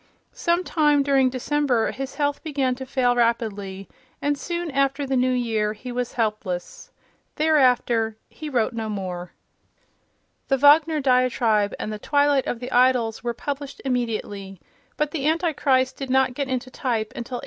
Some time during December his health began to fail rapidly, and soon after the New Year he was helpless. Thereafter he wrote no more. The Wagner diatribe and "The Twilight of the Idols" were published immediately, but "The Antichrist" did not get into type until 1895.